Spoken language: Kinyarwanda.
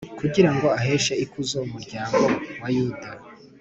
Kugira ngo aheshe ikuzo umuryango wa yuda